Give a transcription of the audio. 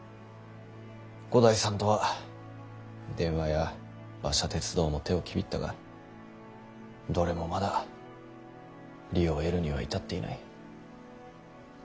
五代さんとは電話や馬車鉄道も手をきびったがどれもまだ利を得るには至っていない。